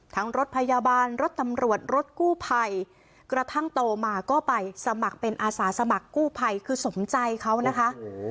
รถพยาบาลรถตำรวจรถกู้ภัยกระทั่งโตมาก็ไปสมัครเป็นอาสาสมัครกู้ภัยคือสมใจเขานะคะ